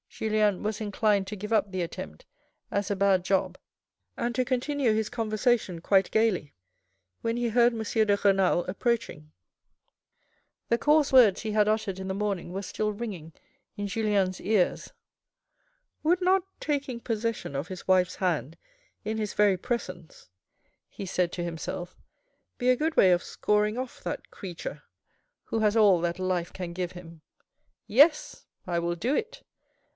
Julien was inclined to give up the attempt as a bad job, and to continue his conversation quite gaily, when he heard M. de Renal approaching. The coarse words he had uttered in the morning were still ringing in Julien's ears. " Would not taking possession of his wife's hand in his very presence," he said to himself, " be a good way of scoring off that creature who has all that life can give him. Yes ! I will do it.